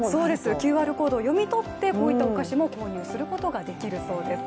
ＱＲコードを読み取ってお菓子を購入することもできるようです。